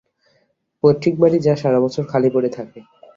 পৈতৃক বাড়ি যা সারাবছর খালি পড়ে থাকে।